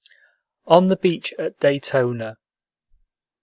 ON THE BEACH AT DAYTONA.